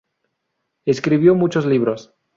Escribió muchos libros.